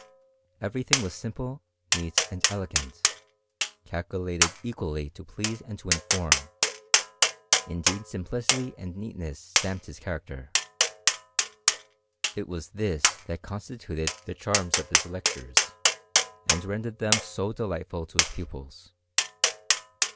Every thing was simple, neat, and elegant, calculated equally to please and to inform : indeed simplicity and neatness stamped his character. It was this that constituted the charm of his lectures, and rendered them so de lightful to his pupils.